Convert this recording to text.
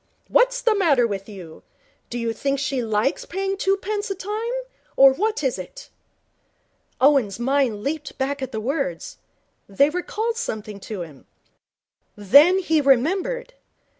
What's the matter with you? Do you think she likes paying twopence a time, or what is it?' Owen's mind leaped back at the words. They recalled something to him. Then he remembered.